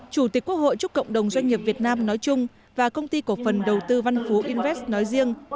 chủ tịch quốc hội chúc cộng đồng doanh nghiệp việt nam nói chung và công ty cổ phần đầu tư văn phú invest nói riêng